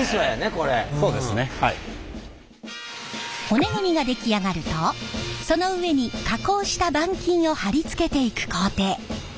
骨組みが出来上がるとその上に加工した板金を貼り付けていく工程。